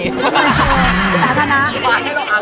จัดรัก